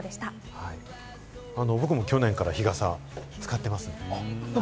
僕も去年から日傘を使っていますよね。